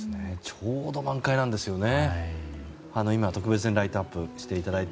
ちょうど満開なんですよね。